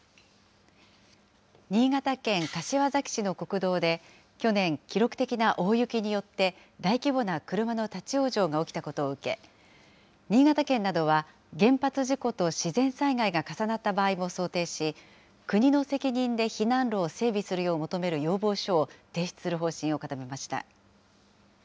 新潟県柏崎市の国道で去年、記録的な大雪によって大規模な車の立往生が起きたことを受け、新潟県などは原発事故と自然災害が重なった場合も想定し、国の責任で避難路を整備するよう求める要望書を提出する方針を固めました。